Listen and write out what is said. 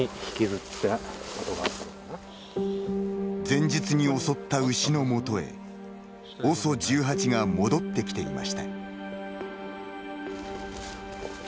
前日に襲った牛のもとへＯＳＯ１８が戻ってきていました。